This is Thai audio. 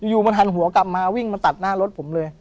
อยู่มันหันหัวกลับมาวิ่งมาตัดหน้ารถผมเลย